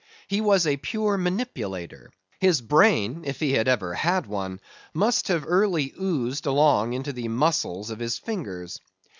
He was a pure manipulator; his brain, if he had ever had one, must have early oozed along into the muscles of his fingers.